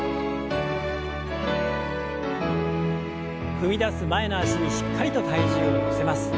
踏み出す前の脚にしっかりと体重を乗せます。